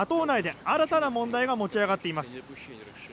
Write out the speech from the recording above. ＮＡＴＯ内で新たな問題が持ち上がっています。